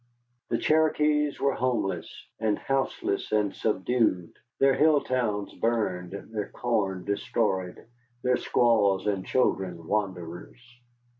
The Cherokees were homeless and houseless and subdued, their hill towns burned, their corn destroyed, their squaws and children wanderers.